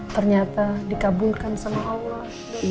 ternyata dikabulkan sama allah